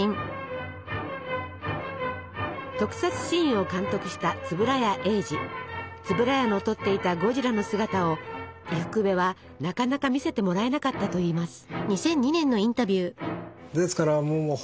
特撮シーンを監督した円谷の撮っていたゴジラの姿を伊福部はなかなか見せてもらえなかったといいます。